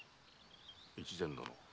越前殿。